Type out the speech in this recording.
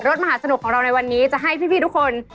มหาสนุกของเราในวันนี้จะให้พี่ทุกคน